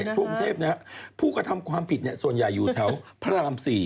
กรุงเทพผู้กระทำความผิดส่วนใหญ่อยู่แถวพระราม๔